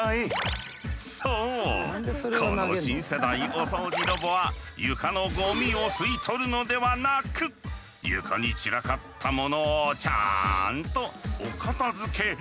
そうこの新世代お掃除ロボは床のゴミを吸い取るのではなく床に散らかったものをちゃんとお片づけしてくれるのだ。